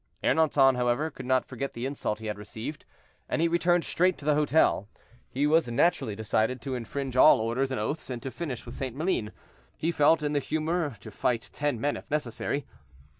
Ernanton, however, could not forget the insult he had received, and he returned straight to the hotel. He was naturally decided to infringe all orders and oaths, and to finish with St. Maline; he felt in the humor to fight ten men, if necessary.